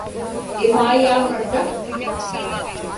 imaiyaun ata